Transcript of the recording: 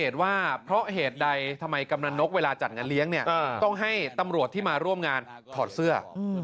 แต่ดัยทำไมกำลังนกเวลาจัดการเลี้ยงเนี้ยฯต้องให้ตำรวจที่มาร่วมงานถอดเสื้อ